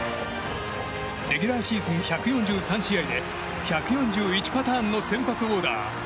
レギュラーシーズン１４３試合で１４１パターンの先発オーダー。